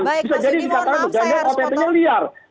bisa jadi dikatakan ott nya liar